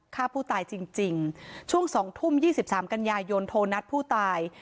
ฆ่าผู้ตายจริงช่วง๒ทุ่ม๒๓กันยายนโทรนัดผู้ตาย